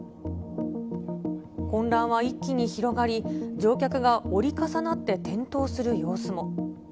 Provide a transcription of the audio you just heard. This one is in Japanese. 混乱は一気に広がり、乗客が折り重なって転倒する様子も。